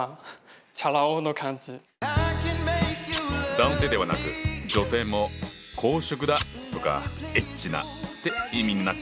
男性ではなく女性も「好色だ」とか「エッチな」って意味になっちゃったんだ。